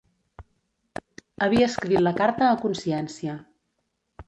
Havia escrit la carta a consciència.